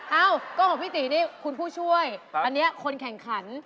เอ้าก็ของพี่ตีนี่คุณผู้ช่วยอันนี้คนแข่งขัน